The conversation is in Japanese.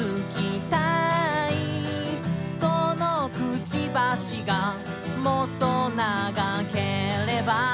「このくちばしがもっと長ければ」